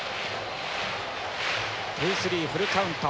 ツースリーフルカウント。